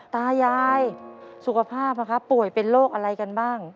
ตายายสุขภาพป่วยเป็นโรคอะไรกันบ้าง